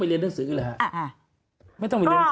ตอนที่จะไปอยู่โรงเรียนนี้แปลว่าเรียนจบมไหนคะ